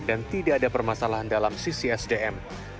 dan tidak ada permasalahan dalam sisi sdm